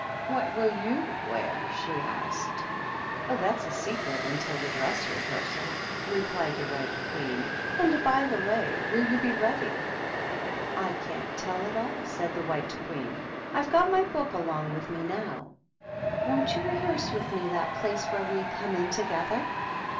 " What will you wear ?" she asked. " Oh, that's a secret until the dress rehearsal,'' replied the Red Queen; "and, by the way, will you be ready?" "I can't tell at all," said the White Queen. "I've got my book along with me now. Won't you rehearse with me that place where we come in together?"